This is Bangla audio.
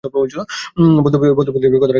বলতে বলতে কথাটাকে সত্য করে তুলছেন কেন?